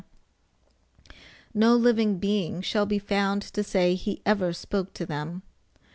No living being shall be found to say he ever spoke to them.